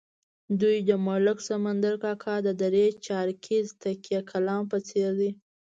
دوی د ملک سمندر کاکا د درې چارکیز تکیه کلام په څېر دي.